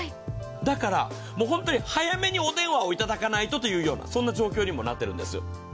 だから、本当に早めにお電話をいただかないとという、そんな状況にもなっているんです。